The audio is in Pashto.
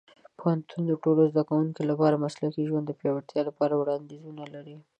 پوهنتون د ټولو زده کوونکو لپاره د مسلکي ژوند د پیاوړتیا لپاره وړاندیزونه لري.